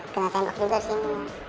dia kena tembak juga sih